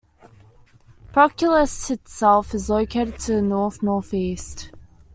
Proclus itself is located to the north-northeast.